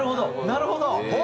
なるほど！